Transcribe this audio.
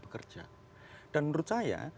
bekerja dan menurut saya